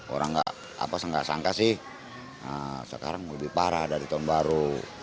orang nggak sangka sih sekarang lebih parah dari tahun baru